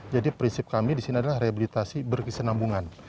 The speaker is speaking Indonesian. jadi prinsip kami disini adalah rehabilitasi berkisar nambungan